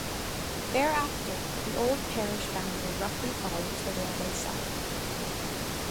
Thereafter the old parish boundary roughly follows the railway south.